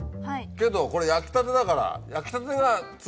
けどこれ焼きたてだから。